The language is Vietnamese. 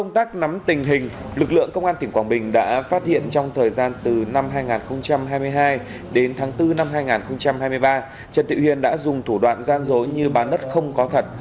trong tháng bảy năm hai nghìn hai mươi hai đến tháng bốn năm hai nghìn hai mươi ba trần thị huyền đã dùng thủ đoạn gian dối như bán đất không có thật